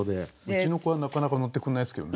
うちの子はなかなか乗ってくれないですけどね。